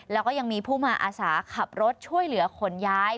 แล้วก็ยังมีผู้มาอาสาขับรถช่วยเหลือขนย้าย